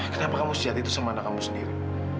kenapa kamu siap itu sama anak kamu sendiri